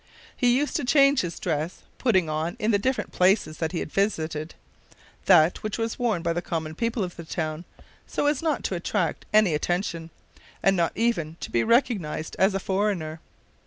He used to change his dress, putting on, in the different places that he visited, that which was worn by the common people of the town, so as not to attract any attention, and not even to be recognized as a foreigner.